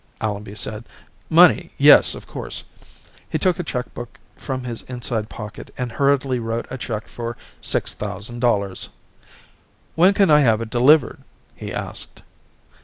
Allenby said. "Money, yes, of course." He took a checkbook from his inside pocket and hurriedly wrote a check for six thousand dollars. "When can we have it delivered?" he asked.